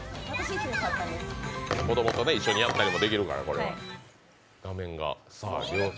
子供と一緒にやったりもできるから。